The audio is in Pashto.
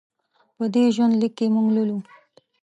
په دې ژوند لیک کې موږ لولو.